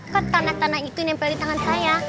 ke tanah tanah itu nempel di tangan saya